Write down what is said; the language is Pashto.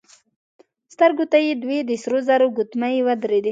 سترګو ته يې دوې د سرو زرو ګوتمۍ ودرېدې.